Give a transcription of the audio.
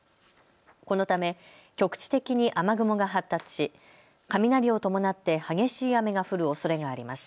このため局地的に雨雲が発達し、雷を伴って激しい雨が降るおそれがあります。